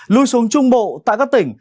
lui xuống trung bộ tại các tỉnh